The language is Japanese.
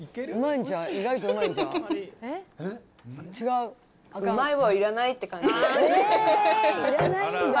うまい棒いらないって感じ。